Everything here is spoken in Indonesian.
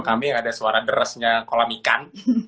kami ada suara derasnya kolam ikan